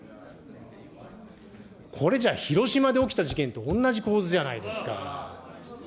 これじゃあ広島で起きた事件と同じ構図じゃないですか。